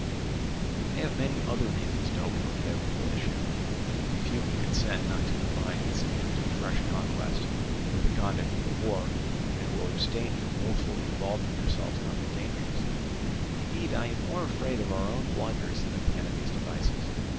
"I have many other reasons to hope for a favourable issue, if you can consent not to combine schemes of fresh conquest with the conduct of the war, and will abstain from wilfully involving yourselves in other dangers; indeed, I am more afraid of our own blunders than of the enemy's devices.